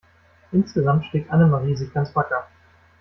Insgesamt schlägt Annemarie sich ganz wacker.